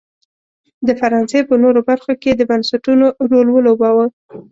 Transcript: د فرانسې په نورو برخو کې یې د بنسټونو رول ولوباوه.